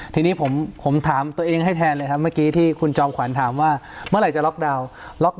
ทีนี้ผมถามตัวเองให้แทนเลยครับเมื่อกี้ที่คุณจอมขวัญถามว่าเมื่อไหร่จะล็อกดาวน์